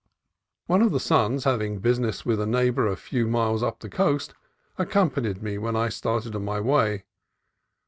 One of the sons, having business with a neighbor a few miles up the coast, accompanied me when I again started on my way.